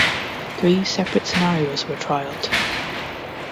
Three separate scenarios were trialed.